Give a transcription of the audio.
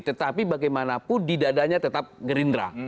tetapi bagaimanapun di dadanya tetap gerindra